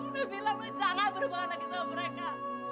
lo bilang lo jangan berbohong lagi sama mereka